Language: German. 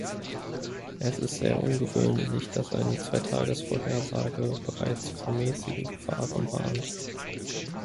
Es ist sehr ungewöhnlich, dass eine Zwei-Tages-Vorhersage bereits vor mäßigen Gefahren warnt.